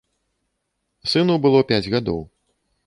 Сыну было пяць гадоў.